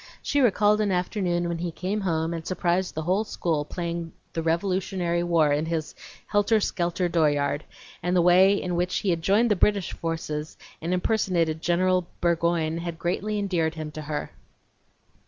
She recalled an afternoon when he came home and surprised the whole school playing the Revolutionary War in his helter skelter dooryard, and the way in which he had joined the British forces and impersonated General Burgoyne had greatly endeared him to her.